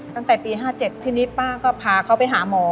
ตั้งแต่ปี๕๗ทีนี้ป้าก็พาเขาไปหาหมอ